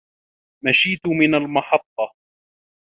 مشيت من المحطة.